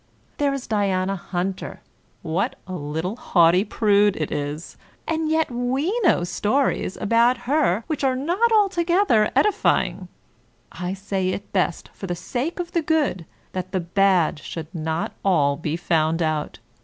There is Diana Hunter — ^what a little haughty prude it is ; and yet we know stories about her which are not altogether edify ing. I say it is best for the sake of the good, that the bad should not all be found out.